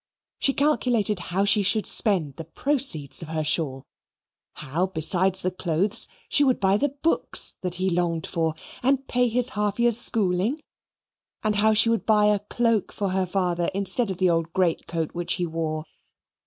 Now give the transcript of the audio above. She calculated how she should spend the proceeds of her shawl how, besides the clothes, she would buy the books that he longed for, and pay his half year's schooling; and how she would buy a cloak for her father instead of that old great coat which he wore.